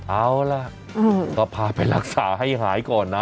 เอาล่ะก็พาไปรักษาให้หายก่อนนะ